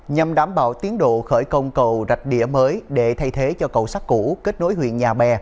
nhằm đảm bảo tiến độ khởi công cầu rạch đĩa mới để thay thế cho cầu sát củ kết nối huyện nhà bè